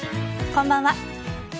こんばんは。